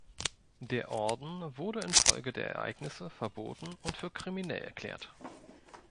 Der Orden wurde infolge der Ereignisse verboten und für kriminell erklärt.